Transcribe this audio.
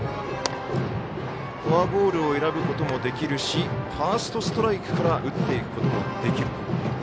フォアボールを選ぶこともできるしファーストストライクから打っていくこともできる。